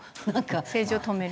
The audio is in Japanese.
政治を止める。